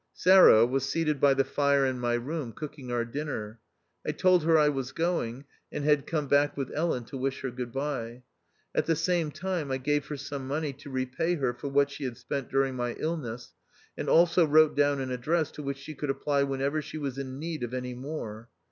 Sarah was seated by the fire in my room cooking our dinner. I told her I was going, and had come back with Ellen to wish her good bye. At the same time I gave her some money to repay her for what she had spent during my illness, and also wrote down an address to which she could apply when ever she was in need of anv more.